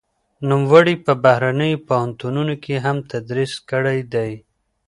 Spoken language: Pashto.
نوموړي په بهرنيو پوهنتونونو کې هم تدريس کړی دی.